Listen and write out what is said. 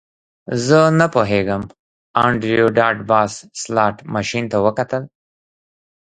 زه نه پوهیږم انډریو ډاټ باس سلاټ ماشین ته وکتل